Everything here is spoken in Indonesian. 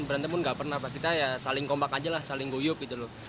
berantem pun nggak pernah pak kita ya saling kompak aja lah saling guyup gitu loh